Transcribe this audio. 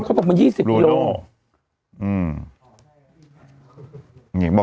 เขาบอกว่ามัน๒๐โลอืมอืม